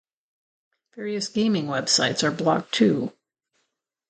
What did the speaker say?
Various gaming websites are blocked too.